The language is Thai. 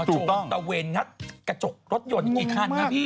โจรตะเวนงัดกระจกรถหยดกี่ครั้งนะพี่